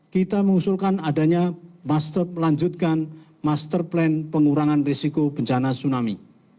kita mengusulkan adanya melanjutkan master plan pengurangan risiko bencana tsunami